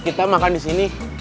kita makan di sini